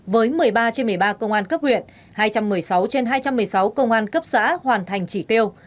với một mươi ba trên một mươi ba công an cấp huyện hai trăm một mươi sáu trên hai trăm một mươi sáu công an cấp xã hoàn thành chỉ tiêu